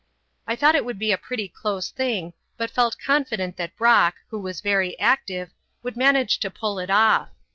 I thought it would be a pretty close thing, but felt confident that Brock, who was very active, would manage to pull it off.